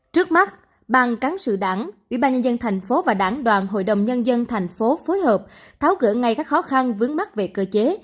trước mắt ban cán sự đảng ủy ban nhân dân thành phố và đảng đoàn hội đồng nhân dân thành phố phối hợp tháo gỡ ngay các khó khăn vướng mắt về cơ chế